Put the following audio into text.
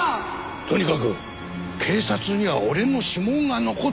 とにかく警察には俺の指紋が残っているんだ。